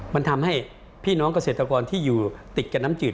มันทำให้พี่น้องเกษตรกรที่อยู่ติดกับน้ำจืด